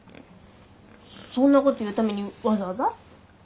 そんなこと言うためにわざわざ？